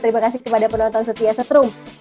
terima kasih kepada penonton setia setrum